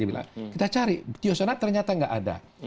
dia bilang kita cari thiocyanate ternyata tidak ada